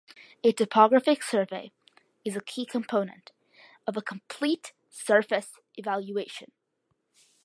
A topographic survey is a key component of a complete surface evaluation.